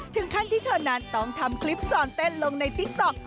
ถึงขั้นที่เธอนั้นต้องทำคลิปสอนเต้นลงในติ๊กต๊อก